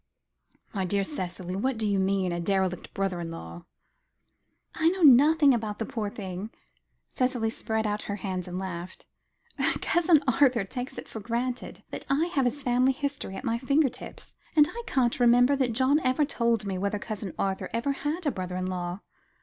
"My dear Cicely, what do you mean a derelict brother in law?" "I know nothing about the poor thing," Cicely spread out her hands, and laughed. "Cousin Arthur takes it for granted that I have his family history at my finger ends, and I can't remember that John ever told me whether Cousin Arthur ever had a brother in law.